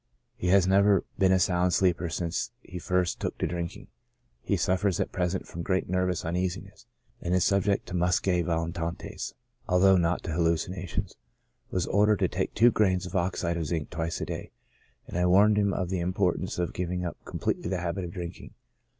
He has never been a sound sleeper since he first took to drinking. He suffers at present from great nervous uneasiness, and is subject to muscae volitantes, although not to hallucinations. Was ordered to take two grains of oxide of zinc twice a day, and I warned him of the import ance of giving up completely the habit of drinking.